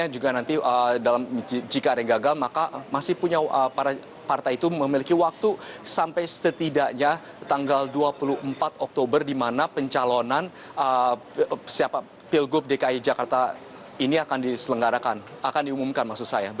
yang juga nanti jika ada yang gagal maka masih punya partai itu memiliki waktu sampai setidaknya tanggal dua puluh empat oktober di mana pencalonan siapa pilgub dki jakarta ini akan diselenggarakan akan diumumkan maksud saya